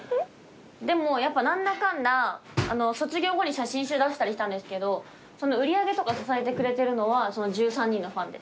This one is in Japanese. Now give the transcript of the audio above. でもやっぱ何だかんだ卒業後に写真集出したりしたんですけど売り上げとか支えてくれてるのはその１３人のファンです。